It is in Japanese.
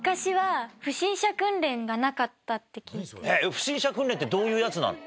不審者訓練ってどういうやつなの？